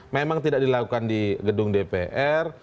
memang tidak dilakukan di gedung dpr